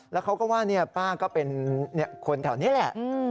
แล้วเขาก็ว่าป้าก็เป็นคนแถวนี้แหละ